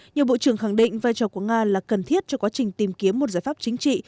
nhiều bộ trưởng khẳng định vai trò của nga là cần thiết cho quá trình tìm kiếm một giải pháp chính trị